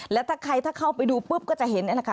และถ้าใครเข้าไปดูปุ๊บก็จะเห็นนะคะ